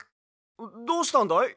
どうしたんだい？